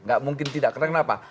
gak mungkin tidak karena kenapa